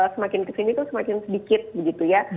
semakin kesini itu semakin sedikit begitu ya